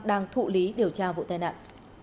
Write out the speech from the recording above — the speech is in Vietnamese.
đang thụ lý điều tra vụ tai nạn